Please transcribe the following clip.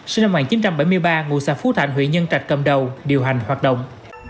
sinh năm một nghìn chín trăm bảy mươi ba ngụ xã phú thạnh huyện nhân trạch cầm đầu điều hành hoạt động